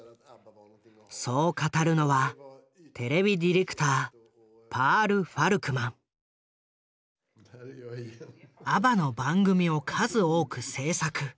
そう語るのはＡＢＢＡの番組を数多く制作。